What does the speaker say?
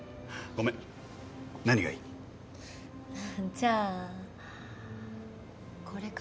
じゃあこれかな。